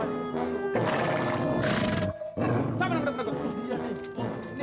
ini bocah kecil